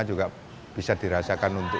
juga bisa dirasakan untuk